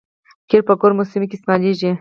قیر په ګرمو سیمو کې استعمالیږي